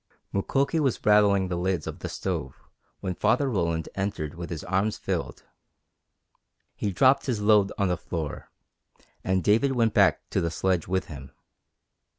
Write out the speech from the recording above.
Mukoki was rattling the lids of the stove when Father Roland entered with his arms filled. He dropped his load on the floor, and David went back to the sledge with him.